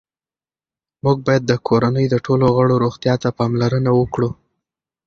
موږ باید د کورنۍ د ټولو غړو روغتیا ته پاملرنه وکړو